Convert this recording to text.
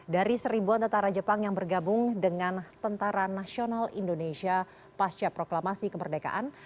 dari seribuan tentara jepang yang bergabung dengan tentara nasional indonesia pasca proklamasi kemerdekaan